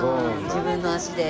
自分の足で。